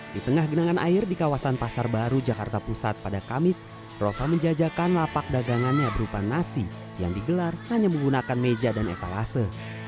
di tengah genangan air di kawasan pasar baru jakarta pusat pada kamis rofa menjajakan lapak dagangannya berupa nasi yang digelar hanya menggunakan meja dan etalase